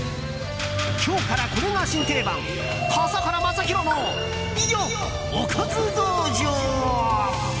今日から、これが新定番笠原将弘のおかず道場。